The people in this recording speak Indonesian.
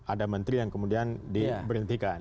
ada menteri yang kemudian diberhentikan